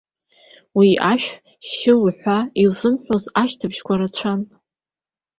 Уи шә, шь уҳәа илзымҳәоз ашьҭыбжьқәа рацәан.